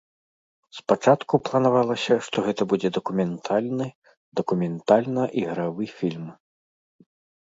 Спачатку планавалася, што гэта будзе дакументальны, дакументальна-ігравы фільм.